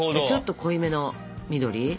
ちょっと濃いめの緑？